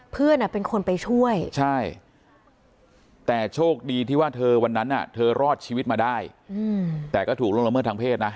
เพื่อนเป็นคนไปช่วยใช่แต่โชคดีที่ว่าเธอวันนั้นเธอรอดชีวิตมาได้แต่ก็ถูกล่วงละเมิดทางเพศนะ